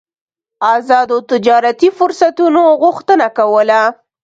ازادو تجارتي فرصتونو غوښتنه کوله.